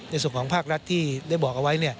ในส่วนของภาครัฐที่ได้บอกเอาไว้